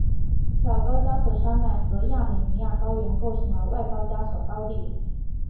小高加索山脉和亚美尼亚高原构成了外高加索高地。